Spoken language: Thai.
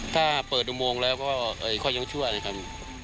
ถ้าเปิดอุโมงแล้วก็เขายังชั่วนะครับ